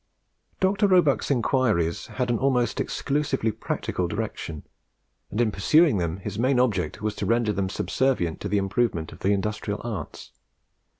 Dr. Roebuck's inquiries had an almost exclusively practical direction, and in pursuing them his main object was to render them subservient to the improvement of the industrial arts.